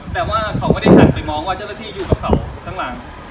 แต่ว่าเขาไม่ได้หันไปมองว่าเจ้าหน้าที่อยู่กับเขาข้างหลัง